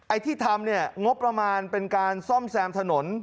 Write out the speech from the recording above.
ที่ทำเนี่ยงบประมาณเป็นการซ่อมแซมถนน